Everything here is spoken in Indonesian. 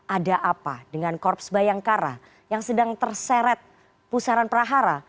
ada apa dengan korps bayangkara yang sedang terseret pusaran prahara